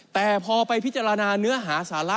แต่พอไปพิจารณาเนื้อหาสาระ